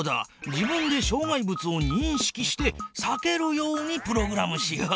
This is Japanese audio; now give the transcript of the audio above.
自分でしょう害物をにんしきしてさけるようにプログラムしよう。